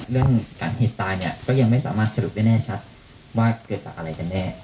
เรื่องการเหตุตายเนี่ยก็ยังไม่สามารถสรุปได้แน่ชัดว่าเกิดจากอะไรกันแน่